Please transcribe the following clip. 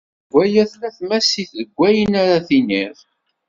Deg waya tella tmasit deg wayen ara d-tiniḍ.